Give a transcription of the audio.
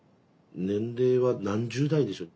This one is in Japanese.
年齢は何十代でしょう。